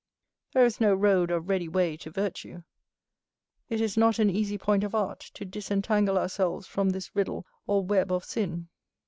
There is no road or ready way to virtue; it is not an easy point of art to disentangle ourselves from this riddle or web of sin.